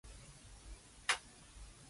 蒜蓉粉絲蒸扇貝